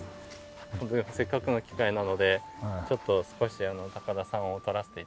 せっかくの機会なのでちょっと少し高田さんを撮らせて頂いて。